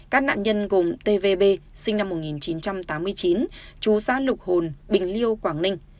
các nạn nhân gồm tvb sinh năm một nghìn chín trăm tám mươi chín chú xã lục hồn bình liêu quảng ninh